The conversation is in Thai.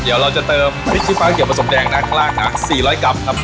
เดี๋ยวเราจะเติมพริกชีฟ้าเกี่ยวผสมแดงด้านล่างนะ๔๐๐กรัมครับ